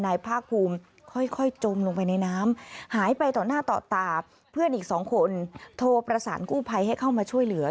ภาคภูมิค่อยจมลงไปในน้ำหายไปต่อหน้าต่อตาเพื่อนอีกสองคนโทรประสานกู้ภัยให้เข้ามาช่วยเหลือ